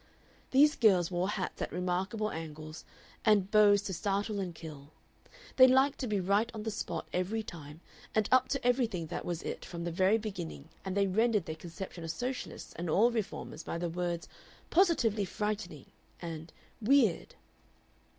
These girls wore hats at remarkable angles and bows to startle and kill; they liked to be right on the spot every time and up to everything that was it from the very beginning and they rendered their conception of Socialists and all reformers by the words "positively frightening" and "weird."